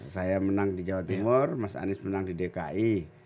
saya menang di jawa timur mas anies menang di dki